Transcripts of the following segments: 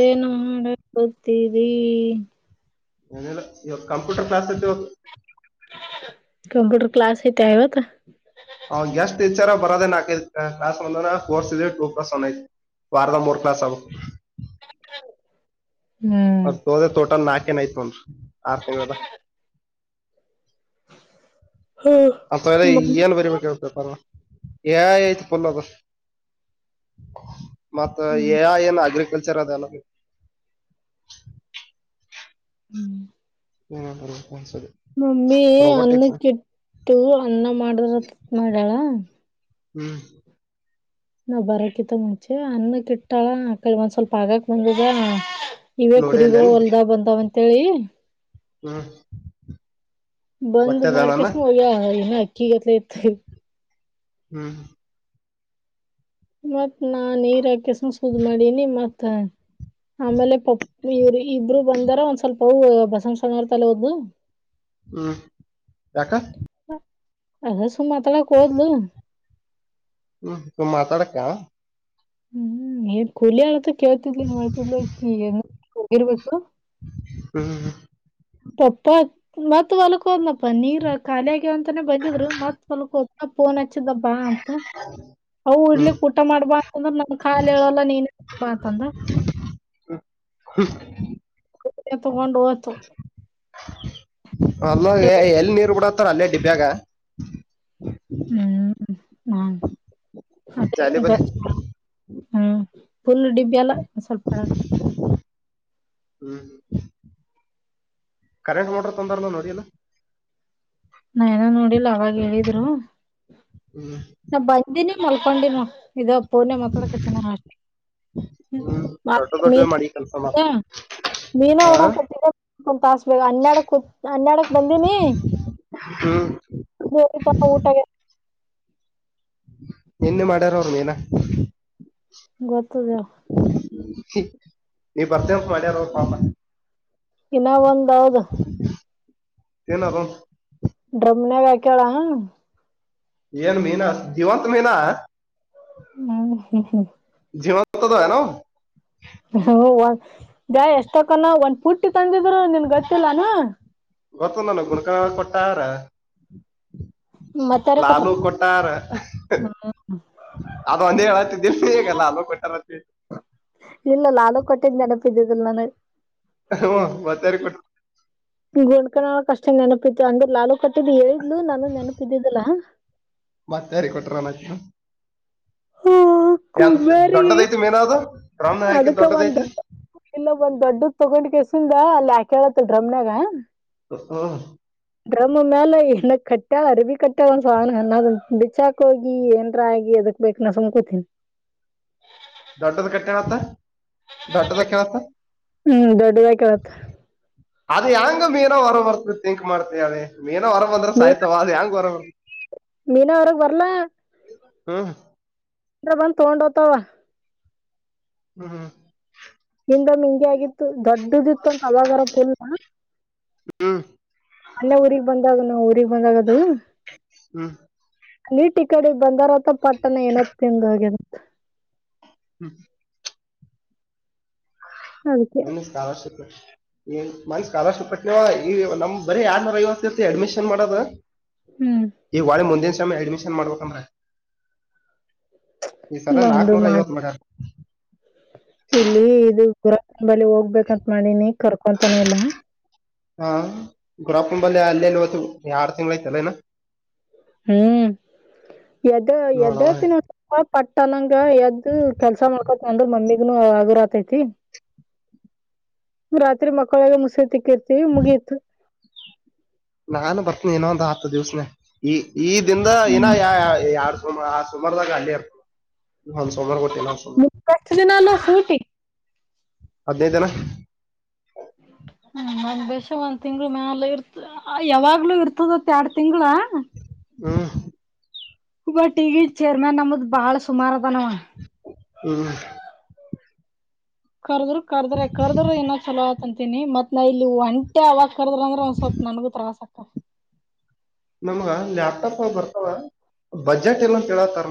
ಏನ್ ಮಾಡ್ ಕತ್ತಿರಿ. [inaudible] ಏನ್ ಇಲ್ಲ ಇವತ್ತ ಕಂಪ್ಯೂಟರ್ ಕ್ಲಾಸ್ ಇತ್ತ ಇವತ್ತ. [inaudible] ಕಂಪ್ಯೂಟರ್ ಕ್ಲಾಸ್ ಐತೆ ಇವತ್ತ. [inaudible] ಅವನ ಗೆಸ್ ಟೀಚರ್ ಬರೋದಿಲ್ಲ ಅಕ್ಕಿಯಿಂದ ಲಾಸ್ಟ್ ಬಂದದ ಫೋರ್ ಸೀಸರ್ ಫೋಕಸ್ ಒನ್ ಐತೆ. [inaudible] ವಾರದಾಗ ಮೂರು ಕ್ಲಾಸ್ ಅವನ್ನದು. [inaudible] ಹ್ಮ್ ಒಟ್ಟ ಪೂರ್ ಟೋಟಲ್ ನಾಲ್ಕ ಏನ್ ಇತ್ತ ಅವಂದ ಆರ್ ತಿಂಗಳದಾಗ. [inaudible] [inaudible] ಹಾ ಅಂತದಾರಗ ಮ ಏನ್ ಬರಿಬೇಕ ಹೇಳ್. [inaudible] ಪೇಪರ್ ಅದಾವ ಏ ಐ ಇಟ್ಕೊಂಡ್ ಹೋಗ. [inaudible] ಮತ್ತ ಹ್ಮ್ ಏ ಐ ಏನ್ ಅಗ್ರಿಕಲ್ಚರ್ ಅದ ಅಲ್ಲ. [inaudible] ಹ್ಮ್. [inaudible] ನೀನ್ ಬರ್ಬೇಕ ಒಂದ್ ಸರಿ. [inaudible] ಮಮ್ಮಿ ಅನ್ನಕ್ಕ ಇಟ್ಟು ಅನ್ನ ಮಾಡಿದರ ಆಯ್ತ ಅಂತ ಮಾಡ್ಯಳ. [inaudible] ಹ್ಮ್. [inaudible] ನಾವ್ ಬರಕಿತ್ತ ಮುಂಚೆ ಅನ್ನಕ್ಕ ಇಟ್ಟಳ ಮಕ್ಕಳಗ ಒಂದ್ ಸ್ವಲ್ಪ ಆಗಕ್ ಬಂದಿದೆ. [inaudible] ಇವೇ ನೋಡಿ ಕುರಿಗಳು ಅಲ್ಲೇನ್ ಹೊಲದಾಗ ಬಂದಾವ್ ಅಂತ ಹೇಳಿ. [inaudible] ಹಾ. [inaudible] ಬಂದ್ ಮಾಡಕ್ಯಾಸ ಹೋಗ್ಯಾಳ್ ಆಗ್ಯಾಲೇ ಅಕ್ಕಿಗತ್ ಇತ್. [inaudible] ಹ್ಮ್. [inaudible] ಮತ್ತ ನಾನ್ ನೀರ ಹಾಕೆಸನ್ ಸುದ್ದ ಮಾಡನಿ ಮತ್ತ. [inaudible] ಆಮೇಲೆ ಕಂಪನಿ ಇವರ ಇಬ್ರು ಬಂದಾರ ಒಂದ್ ಸ್ವಲ್ಪ ಅವರು ಬಸಣ್ ಸ್ವಾಮಿ ಹಂತಲ್ಲಿ ಹೋದ್ಲು. [inaudible] ಹ್ಮ್ ಯಾಕ. [inaudible] [inaudible] ಅದ ಸುಮ್ಮ ಮಾತಡಕ್ಕ ಹೋದ್ಲು. ಹ್ಮ್ ಸುಮ್ಮ ಮಾತಾಡಕ್ಕ. [inaudible] [inaudible] ಹ್ಮ್ ಏನ್ ಕೂಲಿ ಆಳ ಅಂತ ಕೇಳ್ತಿದ್ಲಿನ್ ಮಾಡತ್ತಿದಲ್ಲ ಆಕೀ ಹೋಗಿರ್ಬೇಕ. ಹ್ಮ್. [inaudible] ಪಪ್ಪ ಮತ್ ಹೊಲ್ಕೋದ್ನಪ್ಪ ನೀರ್ ಖಾಲಿ ಆಗ್ಯಾವ ಅಂತಾನೇ ಬಂದಿದ್ರು ಮತ್ ಹೊಲ್ಕ್ ಹೋದ ಪಾ ಫೋನ್ ಹಚ್ಚಿದ್ದ್ ಬಾ ಅನ್ ಹ್ಮ್ ಊಟಾ ಮಾಡಬಾ ಅಂದ್ರ ನನ್ ಕಾಲೇಳಲ್ಲ ನೀನೇ ತಗಂಬಾ ಅಂತದ್ [unintelligible] [unintelligible] ತಗೊಂಡ ಹೋತು ಹಲೋ ಚಲೋ ಎಲ್ಲಿ ನೀರ್ ಬಿಡಾತ್ತಾರ ಅಲ್ಲೇ ಡಿಬ್ಬ್ಯಾಗ ಹ್ಮ್ ನಾನ್ [unintelligible] ಜಾಲಿ ಬಲಿ ಹ್ಮ್ ಫುಲ್ಲ ಡಿಬ್ಬಿ ಅಲ್ಲ ಸ್ವಲ್ಪ ಹ್ಮ್ ಕರೆಂಟ್ ಮೋಟರ್ ತಂದಾರಲ್ಲ ನೋಡಿ ಇಲ್ಲೋ ನಾ ಇನ ನೋಡಿಲ್ಲ ಅವಾಗೆ ಹೇಳಿದ್ರು ಹ್ಮ್ ನಾ ಬಂದಿನಿ ಮಲ್ಕೊಂಡಿನ ನೋ ಇದ ಪೋನ್ಯಾಗ್ ಮಾತಾಡಕತಿನ್ ನೋಡ್ ಹ್ಮ್ ದೊಡ್ಡ ದೊಡ್ಡ ಮಾಡಿ ಕೆಲ್ಸ ಮಾಡ [unintelligible] ಮೀನಾ ಹಾ [unintelligible] ತಾಸ್ಬೇಕ ಹನ್ನಡತ್ ಹನ್ನಡಕ್ ಬಂದೀನಿ ಹ್ಮ್ ಬೋಯಿತಪ್ಪ ಊಟ ಆಗೇದ್ ನಿನ್ನೆ ಮಾಡ್ಯಾರ ಅವ್ರ ಮೀನಾ ಗೊತ್ತದೆಳ ನೀ ಬರ್ತೀಯತ್ತ ಮಾಡ್ಯಾರ ಅವ್ರ ಪಾಪಾ ಇನ ಒಂದ ಅದ ಏನೋ ರೋಗ್ ಡ್ರಮ್ನಾಗ ಹಾಕ್ಯಾಳ ಏನ್ ಮೀನಾ ಜೀವಂತ ಮೀನಾ ಹ್ಮ್ ಹ ಹ ಜೀವಂತದಾವೇನವ ಹವ್ ದ್ಯಾ ಎಷ್ಟಕ್ಕನ ಒಂದ್ ಪುಟ್ಟಿ ತಂದಿದ್ರು ನಿನ್ಗೊತ್ತಿಲ್ಲನ ಗೊತ್ತದ್ ನನಗ್ ಗುಣಕ ಕೊಟ್ಟಾರ ಮತ್ತಾರ ಕೊಟ್ರ ಲಾಲು ಕೊಟ್ಟಾರ ಅದ ಒಂದೇ ಹೇಳಾತಿದ್ದಿಲ ನೀ ಈಗ ಲಾಲು ಕೊಟ್ಟಾರತ್ ಇಲ್ಲ ಲಾಲೂ ಕೊಟ್ಟಿದ್ದ ನೆನಪಿದ್ದಿದಿಲ್ಲ ನನಗ ಹು ಮತ್ತ್ಯಾರೀಗ ಕೊಟ್ಟಾರ್ ಗುಂಡಕನೊಳಕ ಅಷ್ಟ ನೆನಪತಿ ಅಂದ್ರ್ ಲಾಲೂ ಕೊಟ್ಟಿದ್ದ ಹೇಳಿದ್ಲು ನನಗ ನೆನಪಿದ್ದಿದ್ದಲ್ಲಾ ಮತ್ತಾರಿಗ್ ಕೊಟ್ರ ಮಚ್ಚ ಹ ಕುಂಬಾರಿಗಿ ದೊಡ್ಡದೈತಿ ಮೀನಾ ಅದು ಡ್ರಮ್ ಹಾಕಿ ಅದಕ್ಕ ಒಂದ ದೊಡ್ಡದೈತಿ ದೊಡ್ ಇಲ್ಲ ಒಂದ್ ದೊಡ್ಡದ ತಗೊಂಡಕೆಸಿಂದ ಅಲ್ಲಿ ಹಾಕ್ಯಾಳತ್ತ ಡ್ರಮನ್ಯಾಗ ಹ ಡ್ರಮ್ಮ್ ಮ್ಯಾಲ ಏನ ಕಟ್ಟಯಾಳ ಅರಿಬಿ ಕಟ್ಟಯಾಳ ಒಂದ ಸಾಣ ಅನ್ನಾದು ಬಿಚ್ಚಾಕ್ ಹೋಗಿ ಏನ್ರ ಆಗಿ ಅದಕ್ ಬೇಕನ ಸುಮ್ಮ್ ಕುತ್ತೀನಿ ದೊಡ್ಡದ ಕಟ್ಟಯಾಳತ್ತ್ ದೊಡ್ಡದ ಹಾಕ್ಯಾಳ್ ಹ್ಮ್ ದೊಡ್ಡದಾಗಿ ಕೇಳತ್ತ ಅದ ಹೆಂಗ ಮೀನಾ ಹೊರ ಬರ್ತ ತಿಂಕ್ ಮಾಡ್ತ ಹೇಳ್ ಮೀನಾ ಹೊರ ಬಂದ್ರ ಮೀನಾ ಸಾಯ್ತವ ಅದ ಹೆಂಗ ಹೊರ ಬರ್ತ ಮೀನಾ ಹೊರಗ್ ಬರ್ಲಾ ಹ್ಮ ಅವ್ರ್ ಬಂದ ತೊಂಡ ಹೋತಾವ ಹ್ಮ ಹ್ಮ ಹಿಂದೊಮ್ಮಿ ಹಿಂಗೆ ಆಗಿತ್ತು ದೊಡ್ಡದಿತ್ತಂತ ಅವಾಗರ ಫುಲ್ ಹ್ಮ ಅಲ್ಲೆ ಊರಿಗ್ ಬಂದಾಳೆನ್ನೆ ಊಗ್ ಬಂದಾಗದು ಹ್ಮ್ ಕಮಿಟಿ ಕಡಿಂದ ಬಂದಾರ ಪಟ್ಟಣ ಏನೋ ತಿಂದು ಹೋಗ್ಯಾರ ಹ್ಮ್ ಅದಕ್ಕೆ ನಿಮು ಶ್ಕೋಲೇಶಿಪ್ ಈ ಮನ್ಸ ಸ್ಕಾಲರ್ಶಿಪ್ಟ್ಟವ ಈ ನಮ್ ಬರೀ ಎರಡನೇ ನೂರ ಐವತ್ತು ಅಡ್ಮಿಷನ್ ಮಾಡೋದ ಹ್ಮ್ ಈಗ ಹೊಳ್ ಮುಂದಿನ ಸೆಮ್ಮ ಅಡ್ಮಿಷನ್ ಮಾಡಬೇಕಂದ್ರ ಈ ಸಲ ನಾಲ್ಕು ನಮ್ದು ನೂರ ಮಾಡ್ ಐವತ್ ಮಾಡ್ಯರ ಇಲ್ಲಿ ಇದು ಗುರಂಬಳ ಹೋಗ್ಬೇಕಂತ ಮಾಡಿನಿ ಕರ್ಕೊತಾನೆ ಇಲ್ಲ ಹಾ ಗುರಪ್ಪಂಬಲ್ಲಿ ಅಲ್ಲೇಲ್ಲಿ ಇವತ್ತು ಎರಡು ತಿಂಗಳು ಐತಿ ಅಲ್ಲ ಇನ್ನ ಹ್ಮ್ ಯದ ನೋಡವ ಯದತ್ ನಂತ ಹ ಪಟ್ಟನಂಗ ಎದ್ದ ಕೆಲ್ಸ ಮಾಡ್ಕೋತ್ ಅಂದ್ರ ಮಮ್ಮಿಗ್ನು ಆಗರ ಆತೈತಿ ರಾತ್ರಿ ಮಕಳೊದ ಮುಸೆ ತಿಕ್ಕಿರ್ತಿವಿ ಮುಗಿಯತು ನಾನು ಬರ್ತನಿ ಇನೊ ಒಂದ್ ಹತ್ತು ದಿವ್ಸನೆ ಈ ಈ ದಿಂದ ನ ಯ ಯಾರ್ ಸೋಮ ಆ ಸೋಮಾರದಾಗ ಅಲ್ಲಿ ಇರ್ತ ಒಂದ್ ಸೋಮವಾರ ಕೊಟ್ಟಿನನ ನ್ ಸೋಮಾರ ಫಸ್ಟ್ ದಿನ ಅಲ್ಲ ಸೂಟಿ ಹದಿನೈದ ದಿನ ಹ್ಮ್ ಒಂದ್ ಬಷ ಒಂದ ತಿಂಗಳು ಮ್ಯಾಲ ಇರ್ತ ಯಾವಾಗ್ಲೂ ಇರ್ತದತ್ ಅಂತ ಎರಡ್ ತಿಂಗಳ ಹ್ಮ ಬಟ್ ಈಗಿನ ಚೇರ್ಮ್ಯಾನ್ ನಮ್ದ್ ಬಾಳ ಸುಮಾರ ಅದ ನಾವ ಹ್ಮ ಕರ್ದ್ರರು ಕರ್ದ್ರೆ ಕರ್ದ್ರ ಏನ ಚಲೋ ಆತ ಅಂತೀನಿ ಮತ್ ನಾ ಇಲ್ಲಿ ಒಂಟ ಅವಾಗ ಕರ್ದ್ರ ಅಂದ್ರೆ ಒಂದ್ ಸ್ವಲ್ಪ ನನಗೂ ತ್ರವಾಸ ಆಕ್ಕತಿ ನಮ್ಗ ಲ್ಯಾಪ್ಟಾಪ್ ಬರ್ತವ ಬಜೆಟ್ ಎಲ್ಲ ಕೇಳತಾರ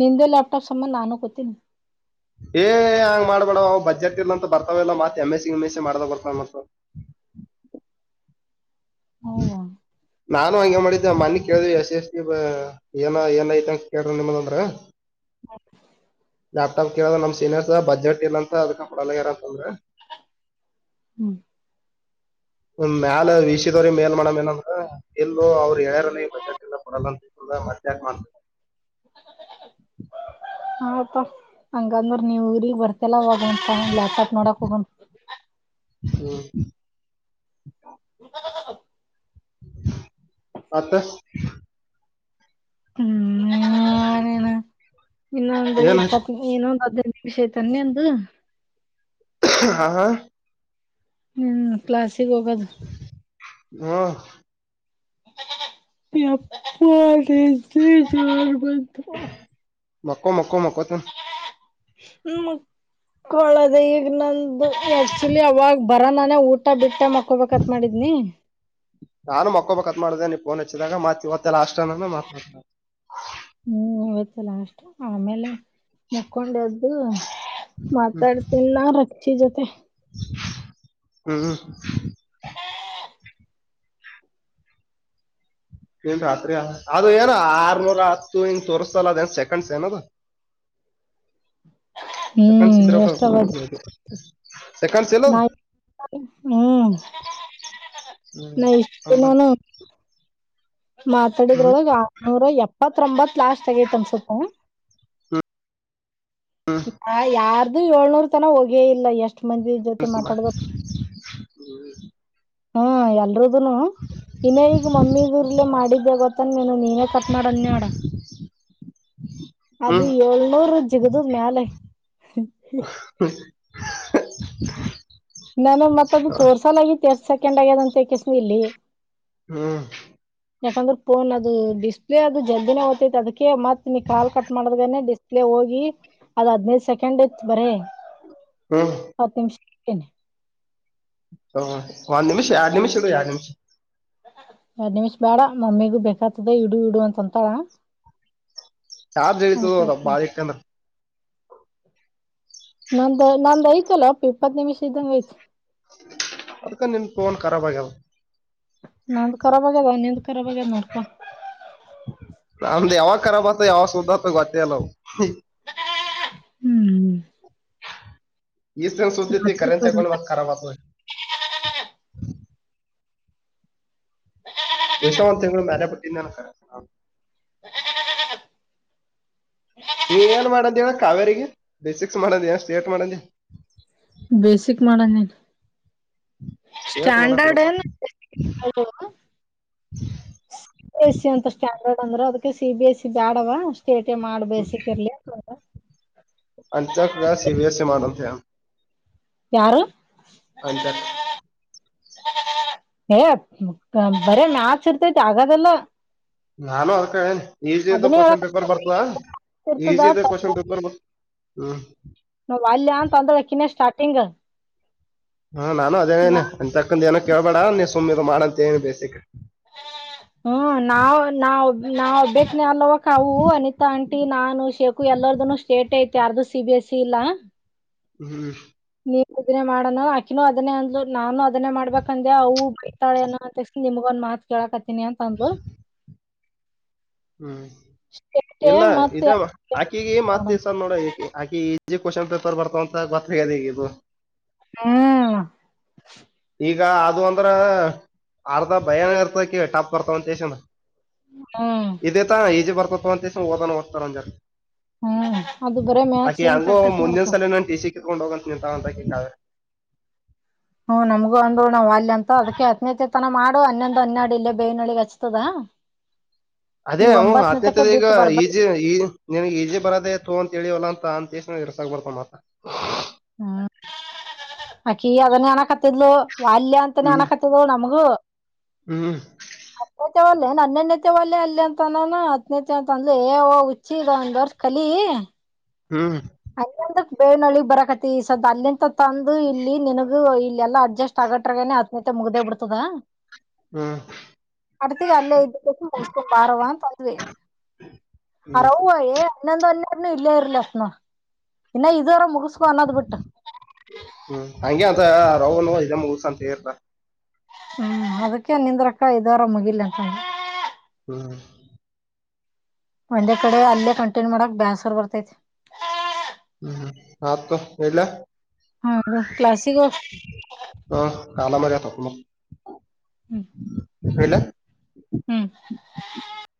ನಿಂದೆ ಲ್ಯಾಪ್ಟಾಪ್ ಸಂಬಧ ನಾನು ಕೂತಿನಿ ಏ ಹಂಗ ಮಾಡ್ಬ್ಯಡೋ ಬಜೆಟ್ ಇರ್ ಅಂತ ಬರ್ತಾವಲ್ಲ ಮತ್ M S C M S C ಮಾಡದಾಗ ಬರ್ತವ ಹೌದಾ ನಾನು ಹಂಗೆ ಮಾಡಿದ್ದೆ ಮನೆ ಕೇಳ್ದ ಎಸ್ ಎಸ್ಗೆ ಏನ ಏನ್ ಐತಂಗ ಕೇಳ್ರಿ ನಿಮ್ದಂದ್ರ ಲ್ಯಾಪ್ಟಾಪ್ ಕೇಳ ನಮ್ ಸೀನಿಯರ್ಸ್ ಬಜೆಟ್ ಇಲ್ಲಂತ ಅದಕ ಕೂಡಲ್ಯಾಗ್ಯರ್ ಅಂದ್ರ ಹ್ಮ್ ಮ್ಯಾಲ ವಿಶಿ ದೋವ್ರರಿ ಮೇಲ್ ಮಾಡಮ್ ಏನಂದ್ರ ಎಲ್ಲೂ ಅವ್ರು ಹೇಳ್ಯಾರ ನೀ ಬಜಾಟ್ ಇಲ್ಲ ಪರಲ್ಲಂತ ಒಮಾತ ಯಾಕ ಮಾಡ್ತ ಹಾ ಅಪ್ಪ ಹಂಗಂದ್ರ ನೀವ ಊ್ರಗ್ ಬರ್ತಲ್ಲ ಅವವ ಒ್ ಲ್ಯಾಪಟೋಪ್ ನೋಡಕ್ ಹೋಗ ಹ್ಮ [unintelligible] ಮತ್ತ ಹ್ಮನೇನ [unintelligible] ಇನ್ನೊಂದು ಏನ್ ಇಪ್ಪತ್ ಏನೊಂದಂದು ಹದ್ೈದು ನಿಮಿಷ ಐ ತನ್ನೆ ಒಂದು ಹಾ ಹ್ಮ್ ಕ್ಲಾಸಿಗೆ ಹೋಗೋದು ಹ್ಮ ಅಪ್ಪ ನಿಧಿ ಜೋರ್ ಹೊಂಟುದ ಮಕ್ಕೋ ಮಕ್ಕೋ ಮಕ್ಕೋತೇನೋ ಹ್ಮ ಕೊಳದಿ ಈಗ ನಂದು ಆಕ್ಚುಲಿ ಅವಾಗ ಬರ ನಾನೇ ಊಟ ಬಿಟ್ಟ ಮಕ್ಕೊಬೇಕತ್ ಮಾಡಿದ್ನಿ. ನಾನು ಮಕ್ಕೊಬಕ್ಕತ್ ಮಾಡ್ದೆನೆ ನಿಫೋನ್ ಹಚ್ಚಿದಾಗ ಮಾತ ತ್ತೆಲ್ಲ ಅಷ್ಟನಾನ ಮಾತಡ್ತ. ಹ್ಮ್ ಇವತ್ತಲ್ಲ ಅಷ್ಟು ಆಮೇಲೆ ಮುಕ್ಕೊಂಡ ಎದ್ದು. ಮಾತಾಡ್ತಿನ್ ನ ರಕ್ಷಿ ಜೊತೆ. [inaudible] ಇನ್ ರಾತ್ರಿ ಅಲ್ಲ ಅದು ಏನ ಆರ್ನೂರ ಹತ್ತು ಇ ಸರ್ಸ ಅಲ್ಲದ ಏನ್ ಸೆಕೆಂಡ್ಸ್ ಏನದ. ಹ್ಮ್ ಸಕಂಡಸಿದ್ರಬ ಎಷ್ಟ ಅವದು ಸಕಂಡ್ಸ ಎಲ್ಲೂ. ನಾ ಹ್ಮ್ ನಾನು ಇಷ್ಟು ಅಂಬರ್. ದಿನಾನೂ. ಹ್ಮ್ ಮಾತಾಡಿದ್ರೊಳಗ. ನೂರ ಎಪ್ಪತ್ರೂಂಬತ್ ಲಾಸ್ಟ್ ಹಾಗೈತ ಅನ್ಸುತ್ತೆ. ಹ ಯಾರ್ದು ಏಳ್ನೂರ್ ತನ ಹೋಗೇ ಇಲ್ಲ ಎಷ್ಟ್ ಮಂದಿದ. ಜೊತೆ ಅನ್ಸುಮ. ಮಾತಾಡದ. ಹಾ ಎಲ್ರುದನು ಇನ್ನ ಈಗ ಮಮ್ಮಿದ. ಇಲ್ಲೇ ಮಾಡಿದ್ದೆ ಗೊತ್ತನ್ ನೀನು ನೀನೇ ಕಟ್ ಮಾಡನ್ ನಡ. ಅದು ಹ್ಮ್ ಏಳ್ನೂರು ಜಿಗದ ಮ್ಯಾಲೆ. [inaudible] ನಾನ ಮತ್ತತ್ ಅದು ತೋರ್ಸಲ್ ಆಗಿ ಎಸ್ಟ ಸೆಕೆಂಡ್ ಆಗ್ಯದ ಅಂತಕಿಸ ಇಲ್ಲಿ. [inaudible] [inaudible] ಯಾಕಂದ್ರೆ ಫೋನ್ ಅದು ಡಿಸ್ಪ್ಲೇ ಅದು ಜಲ್ದಿನೇ ಹೋತಿತ್ತು ಅದಕ ಮತ್ ನೀ ಕಾಲ್ ಕಟ್ ಮಾಡದೆ ಡಿಸ. ಡಿಸ್ಪ್ಲೇ ಹೋಗಿ ಅದ್ ಹದ್ನೈದ್ ಸೆಕೆಂಡ್ ತ್ ಬರೇ. [inaudible] ಹತ್ತು ನಿಮಿಷ. [inaudible] ಹ ಒಂದ್ ನಿಮಿಷ ಎರಡು ನಿಮಿಷ ಇ ಎರಡು ನಿಮಿಷ. ಎರಡ್ ನಿಮಿಷ್ ಬೇಡ ಮಮ್ಮಿಗೂ ಬೇಕ್ತದ ಇಡು ಇಡು ಇಡು ಅಂತ ಅಂತಾಳ. ಚಾರ್ಜ್ ಇಳಿತದ ಅದ ಬಾಳ ಇಟ್ಟಂದ್ರ [inaudible] ನಂದ ನಂದ್ ಐತಲ್ಲ ಅಪ್ಪ ಇಪ್ಪತ್ತು ನಿಮಿಷ ಇದ್ದಂಗ ಐತ್. ಅದ್ಕ ನಿನ್ ಫೋನ್ ಖರಾಬ್ ಆಗ್ಯಾವ. ನಾಂದ್ ಕರಾಬ್ ಆಗ್ಯಾದ ನಿಂದ್ ಕರಾಬ ಆಗ್ಯಾದ ನೋಡ್ಕೋ. ನಂದು ಯಾವಾಗ ಕರಾಬ ಆತ ಯಾವಾಗ ಸುದ್ದಾತ ಗೊತ್ತಯಿಲ್ಲವು. [inaudible] ಈಸ್ ಸೋತ ಕರೆಂಸ ಅಕೊಂಡಟ್ರಬ ಕರಾಬಆತದ. ಬೆಷ ಒಂದ ತಿಂಗಳು ಮ್ಯರೆ ಬಿಟ್ಟಿದ್ದಿಂದ ಅದಕ. ನೀ ಏನ್ ಮಾಡದ ಹೇಳ ಕಾವೇರಿಗೆ ಬೇಸಿಕ್ಸ್ ಮಾಡೋದಿ ಸ್ಟೇಟ್ ಮಾಡ ಅಂದಿ. ಬೇಸಿಕ್ ಮಾಡ ಅಂದಿನಿ. ಸ್ಟೇಟ್ ಮಾಡಕ್ ಸ್ಟಾಂಡಡ್. ಬಿಡಪ್ಪ ಸಿ ಬಿ ಎಸ್ ಸಿ ಅಂತ ಸ್ಟ್ಯಾಂಡರ್ಡ್ ಅಂದ್ರ ಅದಕ್ಕೆ ಸಿ ಬಿ ಎಸ್ ಸಿ ಬ್ಯಾಡವ ಸ್ಟೇಟ ಮಾಡ್ ಬೇಸಿಕ್ ಇರ್ಲಿ. ಅಂಜ ಅಕ್ಕಗ ಸಿನಎಷ ಮಾಡ ಅಂತ ಹೇಳ್ಯಾನ. ಯಾರು. ಅಂಜಕ್ಕ. [unintelligible] ಏ ಬರೆ ಮ್ಯಾಕ್ಸ್ ಇರ್ತೈತಿ ಆಗದೆಲ್ಲ. ನಾನು ಅದ ಕನೆ. ಈಜಿ ಇದು ಅದನ್ನೇ ಕ್ವನ್ ಪೇಪರ್ ಬರ್ತವಾ ಹೇಳಕ್ ಇರ್ತದ ಈಜಿ ಇ ಟಫ್ ಕ್ವಶನ್ ಪೇಪರ್ ಬ ಹ. ವಲ್ಯ ಅಂತ ಅಂದಳ ಅಕಿನೇ ಸ್ಟಾರ್ಟಿಂಗ್. ಹಾ ನಾನು ಅದೇನೇನೆ ಅನ್ ತಕಂದ ಏನ ಕೇಳ್ಬೇಡ ನೀ ಸುಮ್ಮ್ಿದ ಮಾಡಂತೇನಿ ಬೇಸಿಕ್. [inaudible] ಹ್ಮ್ ನಾವ ನಾವ ನಾವ ಬಿಟ್ಟನಲ್ಲವಾ ಕಾವು ಅನಿತಾ ಆಂಟಿ ನಾನು ಶೇಖು ಎಲ್ಲಾರ್ದನು. ಸ್ಟೇಟ್ ಐತಿ ಯಾರ್ದು ಸಿ ಬಿ ಎಸಿ ಇಲ್ಲಾ. ಹ್ಮ್. [unintelligible] ಅದನ್ನೇ ಮಾಡನ್ನ ಆಕಿನು ಅದನ್ನೇ ಅಂದ್ಲು ನಾನು ಅದನ್ನೇ ಮಾಡ್ಬೇಕಂದೆ ಅವು [unintelligible] ಅಂತಾ ಸು. ನಿಮಗ ಒಂದ್ ಮಾತ್ ಕೇಳಾಕತ್ತೀನಿ ಅಂತ ಅಂದ್ಲು. ಹ್ಮ್ ಸ್ಟೇಟೆ ಇಲ್ಲಾ ಇದ ಮತ್ತೆ ಆಕಿಗಿ ಮತ ನೋಡಣ [unintelligible] ನೋಡ ಆಕಿಗಿ. ಇಜಿ ಕ್ವೆಶ್ಚನ್ ಪೇಪರ್ ಬರ್ತದಂತ ಗೊತ್ತ ಆಗೇದ ಈಗ ಇದು. ಹ್ಮ. ಈಗ ಅದು ಅಂದ್ರ ಅರ್ಧಾ ಭಯಾನ ಇರ್ತದ ಅರೆಗಿ ಟಪ್ ಇರ್ತವ. [unintelligible] ಹ್ಮ. ಇದೆ ತರ ಈಜಿ ಬರ್ತತ ಅಂತ ಸುಮ ಓದನ್ನು ಒತ್ತಾರ ಒನ್ ಜರಾ. ಹ್ಮ್ ಅದು ಬರೇ ಅಕೆ ಮ್ಯಾಥ್ಸ್ ಏನ್ ಹೆಂಗೋ ಪ್ರಾಕ್ಟೀಸ್ ಮುಂದಿನ ಮಾಡ್ತಾವ್ ಸಲಾ ನನ್ ಟೀ ಸಿ ಕಿತ್ಕೊಂಡ್ ಹೋಗಂತ ನಿಂತಂಳ ಅಂತ ಅಕಿ ಕಾವ್ಯಾ. ಹ್ಮ್ ನಮ್ಗು ಅಂದಳು ನಾ ವಲ್ಯ ಅಂತ ಅದ್ಕೆ ಹತ್ತನೇತಿ ತನಾ ಮಾಡು ಹನ್ನೊಂದು ಹನ್ಯಾಡು ಇಲ್ಲೇ ಬೇವನಹಳ್ಳಿಗೆ ಹಚ್ಚತೆವ್ಯಾ. [inaudible] ಅದೇ ಹು ಹತ್ತನೇತಿ ದ ಈಗಾ ಈಜಿ ಈ. ನಿನ್ಗೆ ಈಜಿ ಬರದೆೇ ತೊ ಅಂತ ಹೇಳಿವಲ್ಲಾ ಅಂತ ಕೆಸಿಂದಾ ಇರ್ಸಕ ಬರ್ತದ ಮತ್ತಾ. ಹ್ಮ್ ಅಕಿ ಅದನ್ನೇ ಅನಾಕತ್ತಿದ್ಲು ವಲ್ಯ ಅಂತಾನೇ ಹ್ಮ್ ಅನಕತ್ತ. [unintelligible] ನಮಗೂ. ಹ್ಮ್. [inaudible] [unintelligible] ಹನ್ನೆನೆತ್ತೆ ಒಲ್ಲೆ ಅಲ್ಲೇ ಅಂತನನ ಹತ್ತನೆ ತೆ ಅಂತ ಅಂದ್ಲ ಏ ಎವ್ವಾ ಹುಚ್ಚಿ ಇದೊಂದವರ್ಷ ಕಲಿ. ಹ್ಮ್. ಹನ್ನಂದಕ ಬೇನಳ್ಳಿಗ ಬರಕತಿ ಈ ಸದ್ದ ಅಲ್ಲಿಂತ ತಂದು ಇಲ್ಲಿ ನಿನಗು ಇಲ್ಲೆಲ್ಲಾ ಅಡ್ಜಸ. [unintelligible] ಹತ್ನೈತೆ ಮುಗ್ದೇ ಬಿಡ್ತದಾ. ಹ್ಮ. ಅಡ್ತಿಗೆ ಅಲ್ಲೇ ಇದ್ದ [unintelligible] ಬಾರವಾ ಅಂತ ಅದ್ವಿ. ಅವ್ರ ಹ್ಮ್ ಅವ್ವಾ ಏ ಹನ್ನಂದ ಹನ್ಯಾಡನೂ ಇಲ್ಲೆ ಇರಲಂತ ನೊ. ಇನ್ನ ಇದುರ ಮುಗಸ್ಕೊ ಅನ್ನದ ಬಿಟ್ಟ. ಹ್ಮ್ ಹಂಗೆ ಅಂತ ಇದ ಮಗಸ ಅಂತ ಹೆಳಿರ್ತಾಳಾ. ಹ್ಮ್ ಅದಕ್ಕೆ ನಿಂದ್ರಕ್ಕ ಇದರ ಮುಗಿಲಿ ಅಂತಂದ. ಹ್ಮ. ಒಂದೇ ಕಡೆ ಅಲ್ಲೇ ಕಂಟಿನ್ಯೂ ಮಾಡಕ ಬ್ಯಾಸರ ಬರ್ತೈತಿ. ಹ್ಮ ಆತ ತೊ ಇಡ್ಲ್ಯಾ. [unintelligible] ಕ್ಲಾಸಿಗ. [unintelligible] ಹ್ಮ್. [unintelligible] ಹ್ಮ್.